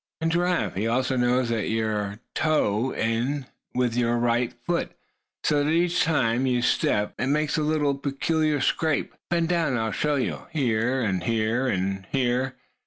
"And Giraffe, he also knows that you 'toe in' with your right foot, so that each time you step it makes a little peculiar scrape. Bend down and I'll show you, here, and here, and here.